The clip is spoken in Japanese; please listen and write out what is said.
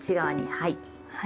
はい。